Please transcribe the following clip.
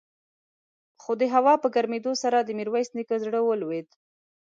خو د هوا په ګرمېدو سره د ميرويس نيکه زړه ولوېد.